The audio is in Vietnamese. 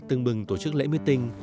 tương bừng tổ chức lễ mưu tinh